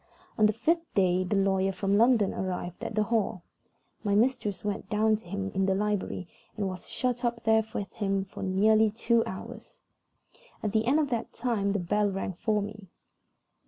On the fifth day the lawyer from London arrived at the Hall. My mistress went down to him in the library, and was shut up there with him for nearly two hours. At the end of that time the bell rang for me.